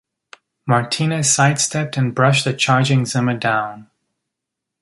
Martinez sidestepped and brushed the charging Zimmer down.